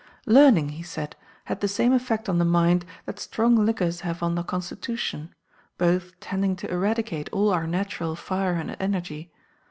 Learning, he said, had the same effect on the mind that strong liquors have on the constitution; both tending to eradicate all our natural fire and energy.